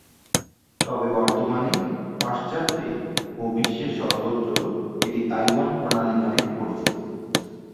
তবে বর্তমানে পাশ্চাত্যে ও বিশ্বের সর্বত্র এটি তাইওয়ান প্রণালী নামেই পরিচিত।